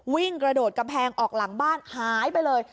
วิ่งกระโดดกำแพงออกหลังบ้านหายไปเลย